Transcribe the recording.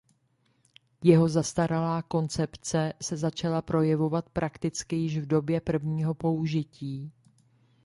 Jeho zastaralá koncepce se začala projevovat prakticky již v době prvního použití.